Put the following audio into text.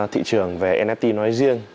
thị trường về nft nói riêng